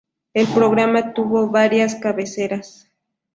El programa tuvo varias cabeceras.